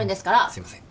すいません。